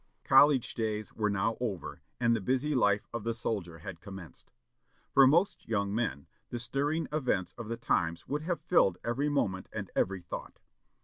College days were now over, and the busy life of the soldier had commenced. For most young men, the stirring events of the times would have filled every moment and every thought.